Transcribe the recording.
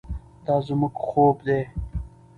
دا زموږ خوب دی.